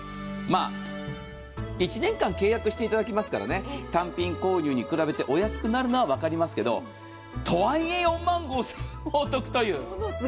１年間契約していただきますから単品購入に比べてお安くなるのは分かりますけれど、とはいえ４万５０００円をお得という。